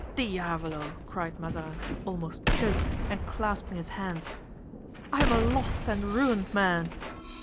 "Diavolo!" cried Mazarin, almost choked, and clasping his hands; "I am a lost and ruined man!"